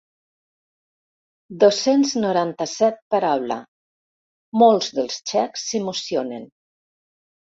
Dos-cents noranta-set paraula, molts dels txecs s'emocionen.